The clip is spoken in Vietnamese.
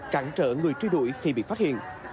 cản trở người truy đuổi khi bị phát hiện